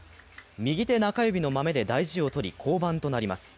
右手中指のまめで大事をとり降板となります。